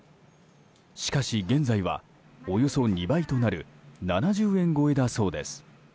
しかし現在は、およそ２倍となる７０円超えだそうです。